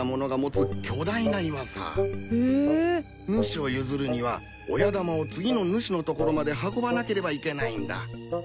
主を譲るには親玉を次の主の所まで運ばなければいけないんだ。